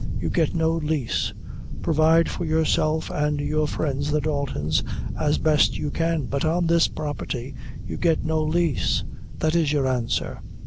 You get no lease. Provide for yourself and your friends, the Daltons, as best you can, but on this property you get no lease. That is your answer."